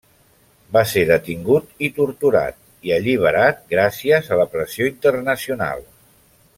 Va ser detingut i torturat i alliberat gràcies a la pressió internacional.